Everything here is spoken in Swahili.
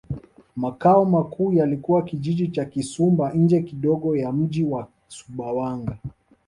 Makao makuu yalikuwa Kijiji cha Kisumba nje kidogo ya mji wa Sumbawanga